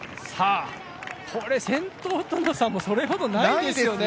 これ先頭との差もそれほどないですよね。